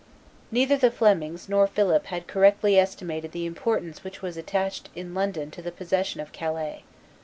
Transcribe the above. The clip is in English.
Neither the Flemings nor Philip had correctly estimated the importance which was attached in London to the possession of Calais.